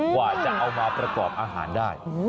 กว่าจะเอามาประกอบอาหารได้